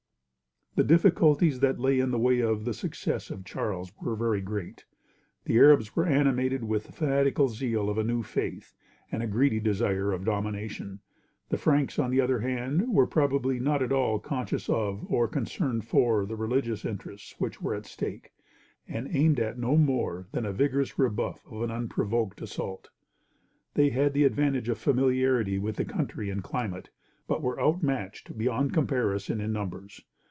The difficulties that lay in the way of the success of Charles were very great. The Arabs were animated with the fanatical zeal of a new faith, and a greedy desire of domination. The Franks, on the other hand, were probably not at all conscious of, or concerned for, the religious interests which were at stake, and aimed at no more than a vigorous rebuff of an unprovoked assault. They had the advantage of familiarity with the country and climate; but were outmatched, beyond comparison, in numbers.